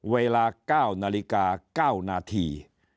เวลา๙นาฬิกา๙นาที